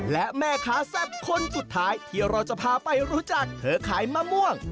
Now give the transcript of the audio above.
และแม่ค้าแซ่บคนสุดท้ายที่เราจะพาไปรู้จักเธอขายมะม่วง